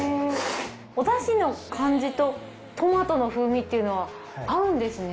お出汁の感じとトマトの風味っていうのは合うんですね。